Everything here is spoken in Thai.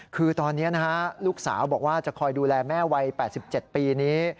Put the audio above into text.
คือตอนนี้นะฮะลูกสาวบอกว่าจะคอยดูแลแม่วัย๘๗ปีนี้